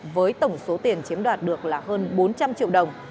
với tổng số tiền chiếm đoạt được là hơn bốn trăm linh triệu đồng